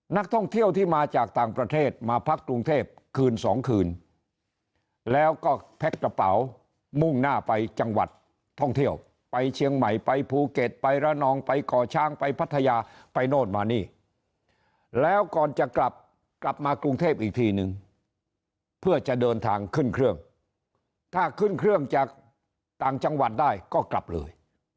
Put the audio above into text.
นักท่องเที่ยวที่มาจากต่างประเทศมาพักกรุงเทพคืนสองคืนแล้วก็แพ็คกระเป๋ามุ่งหน้าไปจังหวัดท่องเที่ยวไปเชียงใหม่ไปภูเก็ตไประนองไปก่อช้างไปพัทยาไปโน่นมานี่แล้วก่อนจะกลับกลับมากรุงเทพอีกทีนึงเพื่อจะเดินทางขึ้นเครื่องถ้าขึ้นเครื่องจากต่างจังหวัดได้ก็กลับเลย